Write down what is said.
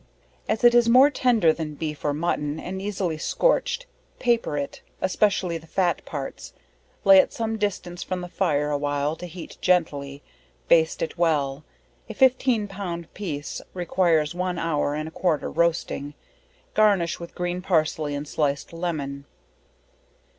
_ As it is more tender than beef or mutton, and easily scorched, paper it, especially the fat parts, lay it some distance from the fire a while to heat gently, baste it well; a 15 pound piece requires one hour and a quarter roasting; garnish with green parsley and sliced lemon.